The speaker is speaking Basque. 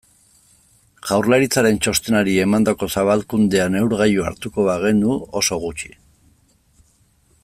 Jaurlaritzaren txostenari emandako zabalkundea neurgailu hartuko bagenu, oso gutxi.